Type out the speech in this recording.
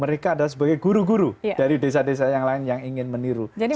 mereka adalah sebagai guru guru dari desa desa yang lain yang ingin meniru